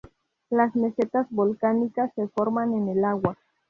Las mesetas volcánicas se forman en el agua.